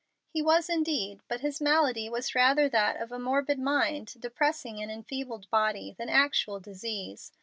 He was indeed; but his malady was rather that of a morbid mind depressing an enfeebled body than actual disease.